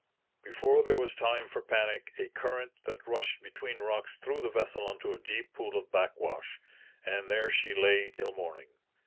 Before there was time for panic, a current that rushed between rocks threw the vessel into a deep pool of backwash; and there she lay till morning.